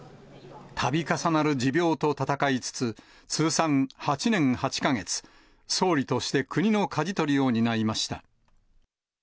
たび重なる持病と闘いつつ、通算８年８か月、総理として国のかじ取りを担いました。